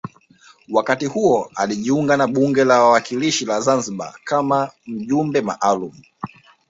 Wakati huo alijiunga na bunge la wawakilishi la Zanzibar kama mjumbe maalum